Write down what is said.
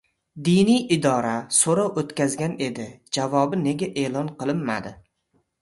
Diniy idora so‘rov o‘tkazgan edi, javobi nega e’lon qilinmadi?